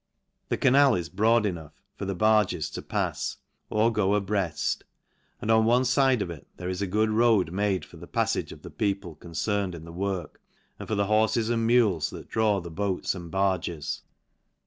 Theoanal is broad enough for the barges to pafs, or go.a breaft s and on one fide of it there is a good road made for the palTage of the people concerned in the work, and for the horfes and mules that draw the boats and barges.